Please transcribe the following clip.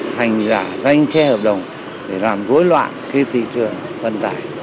hành giả danh xe hợp đồng để làm vối loạn khi thị trường vận tải